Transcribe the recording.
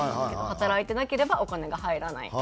働いてなければお金が入らない。